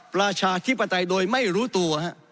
ประชาธิปไตยโดยไม่รู้ตัว